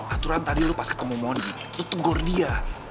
aturan tadi lu pas ketemu mondi lu tegor dia